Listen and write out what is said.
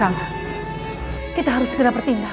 hai kagang kita harus segera bertindas